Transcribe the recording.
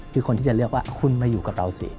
คือคนที่จะเลือกว่าคุณมาอยู่กับเราสิ